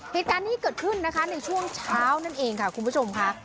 เหตุการณ์นี้เกิดขึ้นนะคะในช่วงเช้านั่นเองค่ะคุณผู้ชมค่ะ